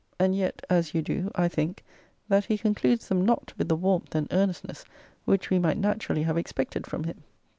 And yet (as you do) I think, that he concludes them not with the warmth and earnestness which we might naturally have expected from him.